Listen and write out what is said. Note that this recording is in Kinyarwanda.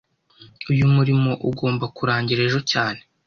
Uyu murimo ugomba kurangira ejo cyane